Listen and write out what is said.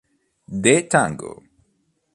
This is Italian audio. The Tango